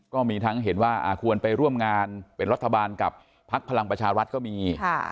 ก็มีทั้งเห็นว่าควรไปร่วมงานเป็นรัฐบาลกับพักพลังประชารัฐก็มี